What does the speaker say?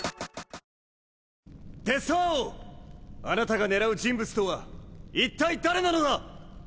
あなたが狙う人物とはいったい誰なのだ！